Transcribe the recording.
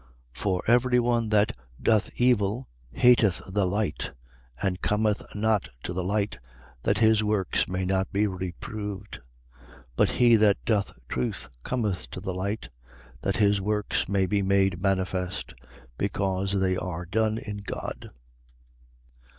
3:20. For every one that doth evil hateth the light and cometh not to the light, that his works may not be reproved. 3:21. But he that doth truth cometh to the light, that his works may be made manifest: because they are done in God.